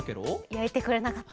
やいてくれなかった。